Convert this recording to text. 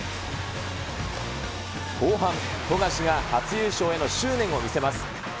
後半、富樫が初優勝への執念を見せます。